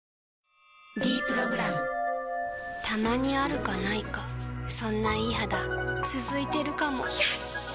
「ｄプログラム」たまにあるかないかそんないい肌続いてるかもよしっ！